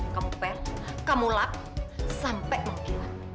kamu per kamu lap sampai mengkilap